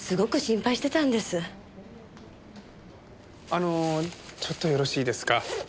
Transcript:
あのちょっとよろしいですか？